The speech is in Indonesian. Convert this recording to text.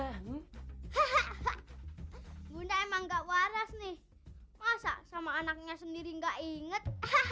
bunda nih bunda emang gak waras nih masa sama anaknya sendiri gak inget